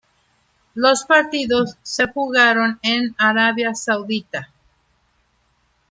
Los partidos se jugaron en Arabia Saudita.